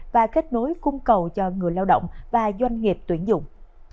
và kết nối cung cầu cho người lao động và doanh nghiệp tuyển dụng